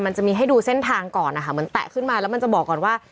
มันจะมีให้ดูเส้นทางก่อนนะคะเหมือนแตะขึ้นมาแล้วมันจะบอกก่อนว่า